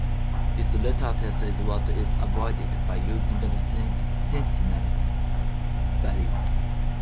This latter test is what is avoided by using a sentinel value.